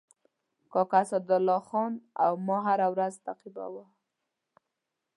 کاکا اسدالله خان او ما هره ورځ تعقیباوه.